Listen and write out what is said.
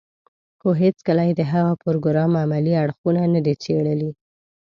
خو هېڅکله يې د هغه پروګرام عملي اړخونه نه دي څېړلي.